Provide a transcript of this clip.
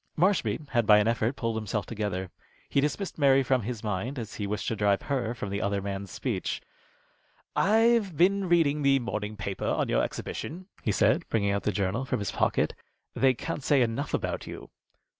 Marshby had by an effort pulled himself together. He dismissed Mary from his mind, as he wished to drive her from the other man's speech. "I've been reading the morning paper on your exhibition," he said, bringing out the journal from his pocket. "They can't say enough about you."